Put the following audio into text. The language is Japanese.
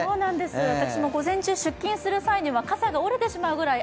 私も午前中、出勤する際には傘が折れてしまうぐらい